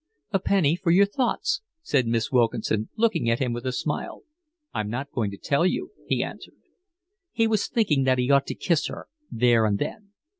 "A penny for your thoughts," said Miss Wilkinson, looking at him with a smile. "I'm not going to tell you," he answered. He was thinking that he ought to kiss her there and then.